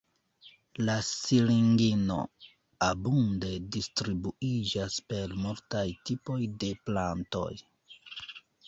La siringino abunde distribuiĝas per multaj tipoj de plantoj.